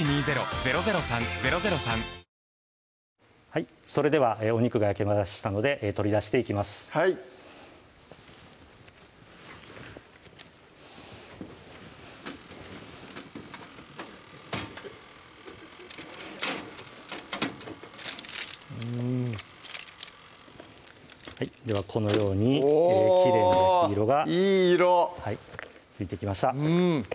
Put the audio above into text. はいそれではお肉が焼けましたので取り出していきますはいうんではこのようにきれいな焼き色がいい色ついてきました